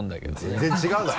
全然違うだろ！